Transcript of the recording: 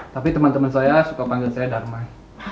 tapi teman teman saya suka panggil saya darmai